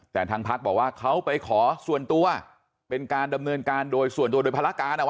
แต่ทางพักบอกว่าเขาไปขอส่วนตัวเป็นการดำเนินการโดยส่วนตัวโดยภารการเอาไว้